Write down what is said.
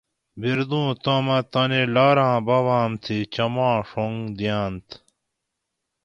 بِردمو تامہ تانی لاۤراۤں باباۤم تھی چماں ڛنگ دِیانت